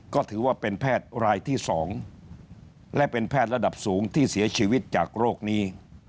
ก็ถือว่าเป็นแพทย์รายที่๒และเป็นแพทย์ระดับสูงที่เสียชีวิตจากโรคนี้